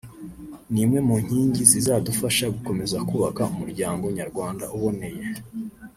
ni imwe mu nkingi zizadufasha gukomeza kubaka umuryango Nyarwanda uboneye